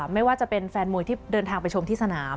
ไม่ว่าจะเป็นแฟนมวยที่เดินทางไปชมที่สนาม